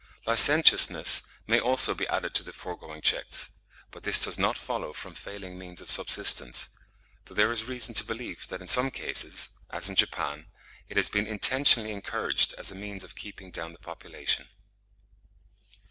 Licentiousness may also be added to the foregoing checks; but this does not follow from failing means of subsistence; though there is reason to believe that in some cases (as in Japan) it has been intentionally encouraged as a means of keeping down the population.